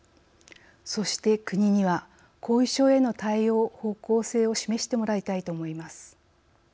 そして国には後遺症への対応・方向性を示してもらいたいと思います。